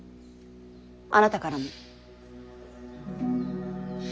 あなたからも。